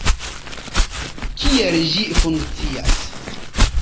Kiel ĝi funkcias?